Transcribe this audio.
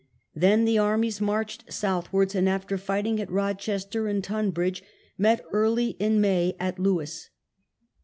Then the armies marched southwards, and after fighting at Rochester and Tunbridge, met early in May at Lewes.